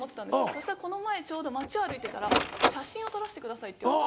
そしたらこの前ちょうど街を歩いてたら「写真を撮らせてください」って。